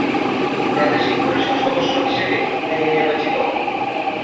প্রাদেশিক পরিষদ সদস্য হিসেবে তিনি নির্বাচিত হন।